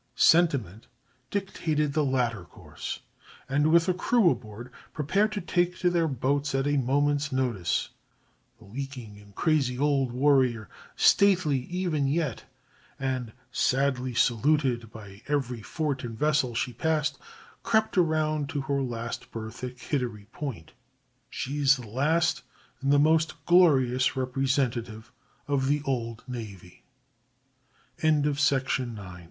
Sentiment dictated the latter course, and, with a crew aboard, prepared to take to their boats at a moment's notice, the leaking and crazy old warrior, stately even yet, and sadly saluted by every fort and vessel she passed, crept around to her last berth at Kittery Point. She is the last and the most glorious representative of the "old navy."